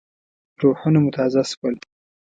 روحونه مو تازه شول.